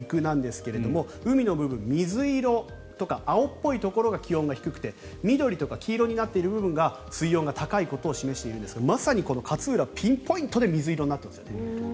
黒い部分が陸なんですけど海の部分、水色とか青っぽいところが気温が低くて緑とか黄色になっている部分が水温が高いことを示しているんですがまさにこの勝浦、ピンポイントで水色になっていますよね。